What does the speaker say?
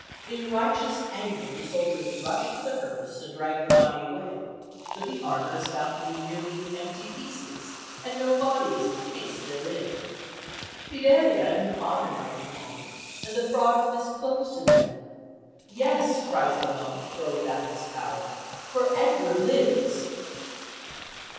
In righteous anger the soldiers rush to the hearse and drag the body away, but the armour is found to be merely the empty pieces and no body is encased therein. Fidelia and her father now come on, and the fraud is disclosed to them. "Yes," cries the monk, throwing back his cowl, "for Edgar lives."